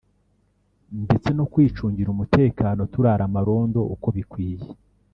ndetse no kwicungira umutekano turara amarondo uko bikwiye”